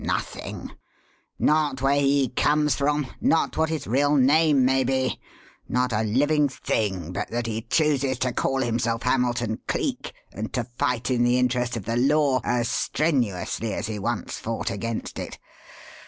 Nothing not where he comes from; not what his real name may be; not a living thing but that he chooses to call himself Hamilton Cleek and to fight in the interest of the law as strenuously as he once fought against it.